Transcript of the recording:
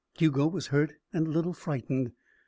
Hugo was hurt and a little frightened.